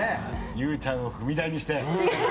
ゆうちゃんを踏み台にして。